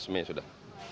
tujuh belas mei sudah